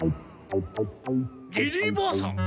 リリーばあさん？